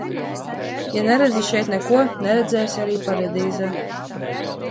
Ja neredzi šeit neko, neredzēsi arī paradīzē.